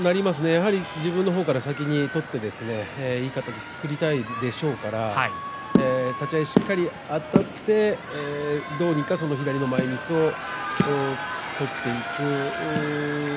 やはり自分の方から先に取っていい形を作りたいでしょうから立ち合いしっかりあたってどうにか左の前みつを取っていく。